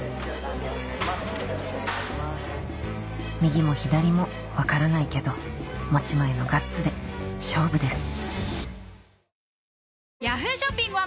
右も左も分からないけど持ち前のガッツで勝負です